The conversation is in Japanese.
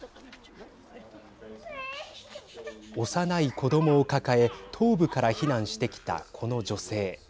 幼い子どもを抱え東部から避難してきたこの女性。